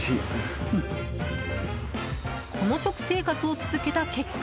この食生活を続けた結果。